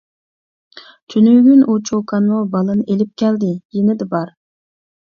تۈنۈگۈن ئۇ چوكانمۇ بالىنى ئېلىپ كەلدى يېنىدا بار.